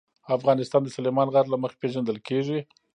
افغانستان د سلیمان غر له مخې پېژندل کېږي.